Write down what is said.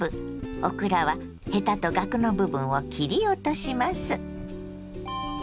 オクラはヘタとがくの部分を切り落とします。